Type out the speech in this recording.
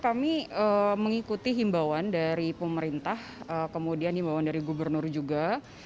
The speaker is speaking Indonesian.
kami mengikuti himbauan dari pemerintah kemudian himbauan dari gubernur juga